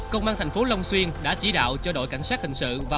công an thành phố long xuyên đã chỉ đạo cho đội cảnh sát hình sự và